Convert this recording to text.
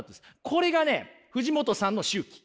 これがね藤元さんの周期。